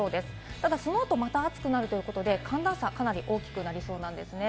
ただそのあと、また暑くなるということで寒暖差はかなり大きくなりそうですね。